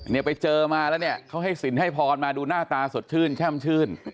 เนี่ยไปเจอมาแล้วเนี่ยเขาให้สินให้พรมาดูหน้าตาสดชื่นแช่มชื่น